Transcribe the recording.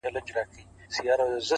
ویره یوازې د ذهن جوړ شوی تصور دی